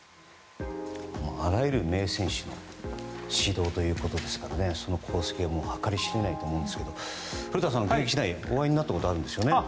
あらゆる名選手に指導ということですからその功績は計り知れないと思いますが古田さんは現役時代お会いになったことがあるんですよね。